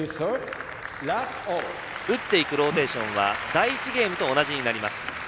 打っていくローテーションは第１ゲームと同じになります。